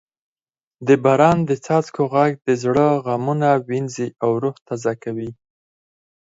د باران د څاڅکو غږ د زړه غمونه وینځي او روح تازه کوي.